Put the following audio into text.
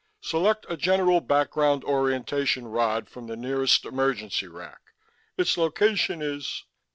SELECT A GENERAL BACKGROUND ORIENTATION ROD FROM THE NEAREST EMERGENCY RACK. ITS LOCATION IS....